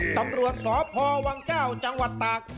ตำรวจสพวังเจ้าจังหวัดตาก